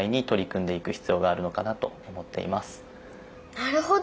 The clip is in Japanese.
なるほど！